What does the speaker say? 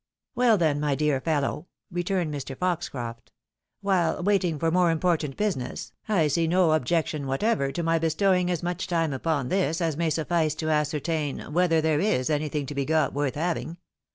" WeU, then, my dear fellow," returned Mr. Foxcroft, " wMle waiting for more important business, I see no objection what ever to my bestowing as much time upon this as may suffice to ascertain whether there is anything to be got worth having.